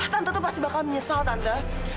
tante tuh pasti bakal menyesal tante